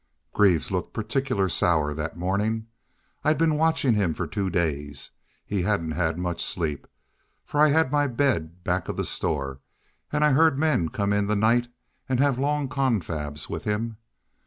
"Greaves looked particular sour thet mornin'. I'd been watchin' him fer two days. He hedn't hed much sleep, fer I hed my bed back of the store, an' I heerd men come in the night an' hev long confabs with him.